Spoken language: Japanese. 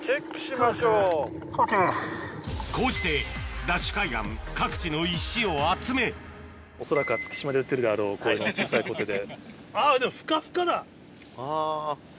こうしてＤＡＳＨ海岸各地の石を集め恐らくは月島で売ってるであろうこういう小さいコテで。